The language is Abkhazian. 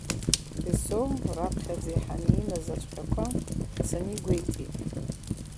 Кьасоу, раԥхьаӡа иҳаны имаз ацәҟьақәа, дцаны игәеиҭеит.